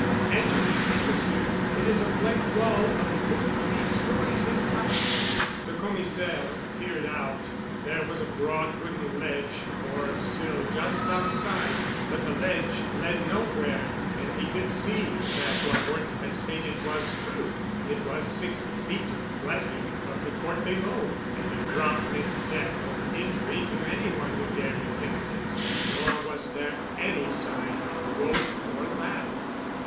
As you will see, Monsieur, it is a blank wall of full three stories in height." The Commissaire peered out. There was a broad wooden ledge or sill just outside, but the ledge led nowhere and he could see that what Horton had stated was true. It was sixty feet to the flagging of the court below and a drop meant death or injury to any one who dared attempt it. Nor was there any sign of a rope or ladder.